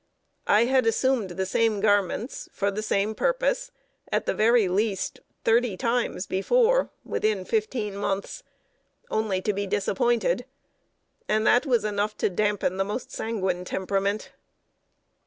I had assumed the same garments for the same purpose, at the very least, thirty times before, within fifteen months, only to be disappointed; and that was enough to dampen the most sanguine temperament.